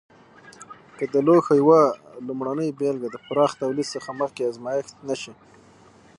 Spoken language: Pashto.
که د لوښو یوه لومړنۍ بېلګه د پراخ تولید څخه مخکې ازمېښت نه شي.